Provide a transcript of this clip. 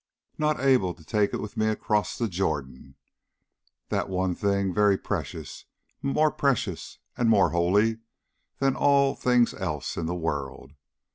No able to take it with me across the Jordan. That one thing very precious, more precious and more holy than all thing else in the world.